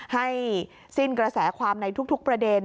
ให้สิ้นกระแสความในทุกประเด็น